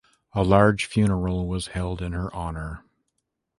A large funeral was held in her honor.